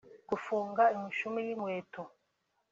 Gufunga imishumi y'inkweto